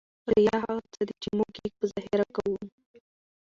ریا هغه څه دي ، چي موږ ئې په ظاهره کوو.